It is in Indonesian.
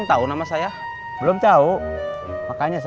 dimana sih kamu dan t kembsu